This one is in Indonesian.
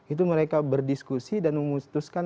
itu mereka berdiskusi dan memutuskan